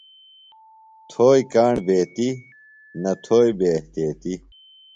تھوئیۡ کاݨ بیتیۡ، نہ تھوئیۡ بے احتیطیۡ